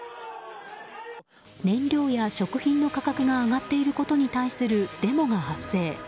燃料や食品の価格が上がっていることに対するデモが発生。